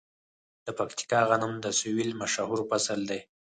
د پکتیکا غنم د سویل مشهور فصل دی.